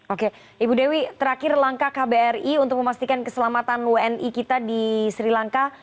oke ibu dewi terakhir langkah kbri untuk memastikan keselamatan wni kita di sri lanka